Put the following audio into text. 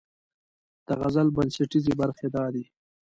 د غزل بنسټیزې برخې دا دي: